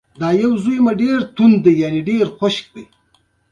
ژبه د هنر ژور تعبیر لري